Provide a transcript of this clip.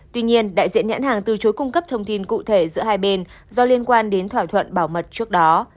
tuy nhiên đại diện nhãn hàng từ chối cung cấp thông tin cụ thể giữa hai bên do liên quan đến thỏa thuận bảo mật trước đó